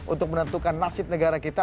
untuk menentukan nasib negara kita